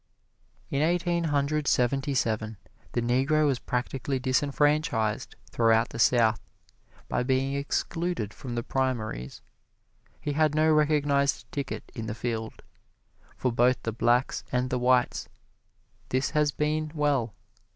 In Eighteen Hundred Seventy seven, the Negro was practically disenfranchised throughout the South, by being excluded from the primaries. He had no recognized ticket in the field. For both the blacks and the whites this has been well.